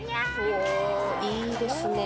いいですね！